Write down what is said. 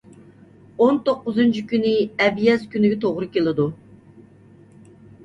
ئون توققۇزىنچى كۈنى ئەبيەز كۈنىگە توغرا كېلىدۇ.